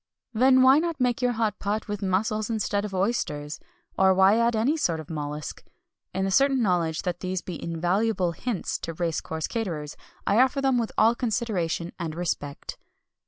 Then why not make your hot pot with mussels instead of oysters? Or why add any sort of mollusc? In the certain knowledge that these be invaluable hints to race course caterers, I offer them with all consideration and respect.